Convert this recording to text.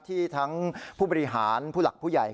ที่ทั้งผู้บริหารผู้หลักผู้ใหญ่